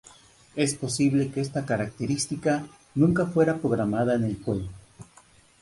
Es posible que esta característica nunca fuera programada en el juego.